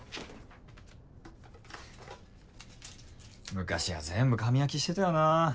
昔は全部紙焼きしてたよなぁ。